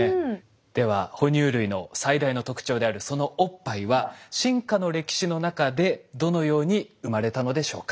では哺乳類の最大の特徴であるそのおっぱいは進化の歴史の中でどのように生まれたのでしょうか。